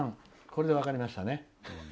これで分かりましたね。